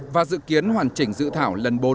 và dự kiến hoàn chỉnh dự thảo lần bốn